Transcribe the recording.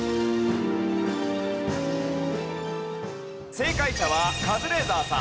正解者はカズレーザーさん